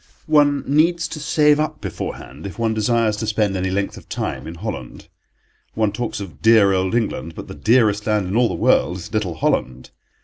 One needs to save up beforehand if one desires to spend any length of time in Holland. One talks of dear old England, but the dearest land in all the world is little Holland.